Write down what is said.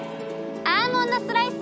アーモンドスライス！